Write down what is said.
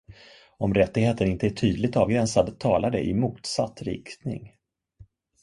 Om rättigheten inte är tydligt avgränsad, talar det i motsatt riktning.